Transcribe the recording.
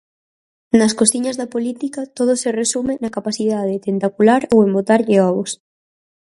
Nas cociñas da política todo se resume na capacidade tentacular ou en botarlle ovos.